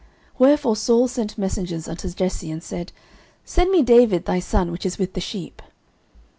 09:016:019 Wherefore Saul sent messengers unto Jesse, and said, Send me David thy son, which is with the sheep.